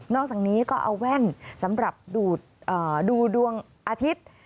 อกจากนี้ก็เอาแว่นสำหรับดูดวงอาทิตย์